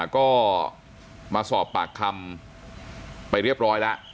ก็มาสอบปากคำไปเรียบร้อยแล้ว